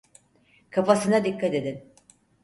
Kafasına dikkat edin.